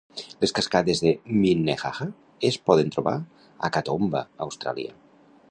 Les cascades de Minnehaha es poden trobar a Katoomba, Austràlia.